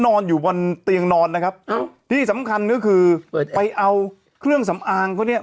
นอนอยู่บนเตียงนอนนะครับอ้าวที่สำคัญก็คือไปเอาเครื่องสำอางเขาเนี่ย